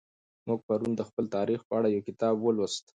موږ پرون د خپل تاریخ په اړه یو کتاب ولوست.